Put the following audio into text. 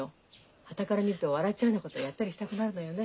はたから見ると笑っちゃうようなことやったりしたくなるのよね。